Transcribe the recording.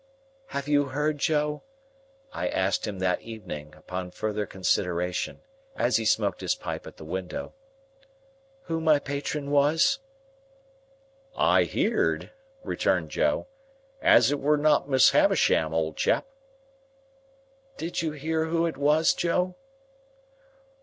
"Have you heard, Joe," I asked him that evening, upon further consideration, as he smoked his pipe at the window, "who my patron was?" "I heerd," returned Joe, "as it were not Miss Havisham, old chap." "Did you hear who it was, Joe?"